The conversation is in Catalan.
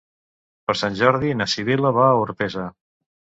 Per Sant Jordi na Sibil·la va a Orpesa.